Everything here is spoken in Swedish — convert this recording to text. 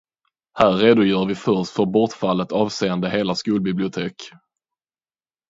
Här redogör vi först för bortfallet avseende hela skolbibliotek.